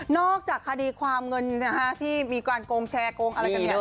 จากคดีความเงินที่มีการโกงแชร์โกงอะไรกันเนี่ย